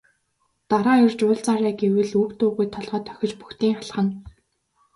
Дараа ирж уулзаарай гэвэл үг дуугүй толгой дохиж бөгтийн алхана.